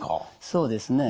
そうですね。